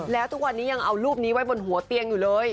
แล้วทุกวันนี้ยังเอารูปนี้ไว้บนหัวเตียงอยู่เลย